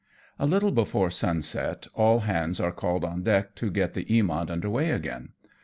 A LITTLE before sunset, all hands are called on deck to get tte Bamont under weigh again.